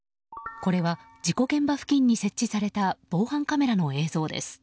これは事故現場付近に設置された防犯カメラの映像です。